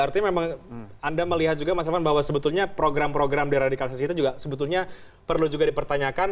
artinya memang anda melihat juga mas elvan bahwa sebetulnya program program deradikalisasi kita juga sebetulnya perlu juga dipertanyakan